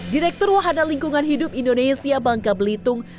direktur wahana lingkungan hidup indonesia bangka belitung